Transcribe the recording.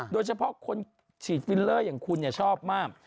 โดยเฉพาะคนฉีดฟิลเลอร์อย่างคุณชอบมาก